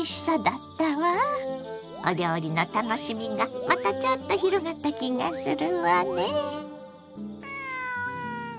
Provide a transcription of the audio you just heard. お料理の楽しみがまたちょっと広がった気がするわね。